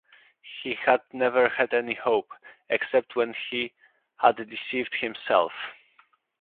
He had never had any hope, except when he had deceived himself.